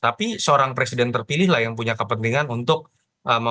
tapi seorang presiden terpilih lah yang punya kepentingan untuk memperole